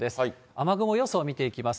雨雲予想見ていきます。